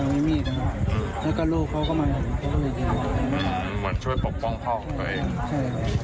เหมือนช่วยปกป้องพ่อของตัวเอง